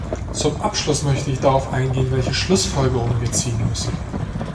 Zum Abschluss möchte ich darauf eingehen, welche Schlussfolgerungen wir ziehen müssen.